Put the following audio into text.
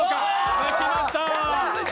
抜けました。